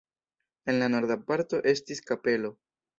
En la norda parto estis kapelo.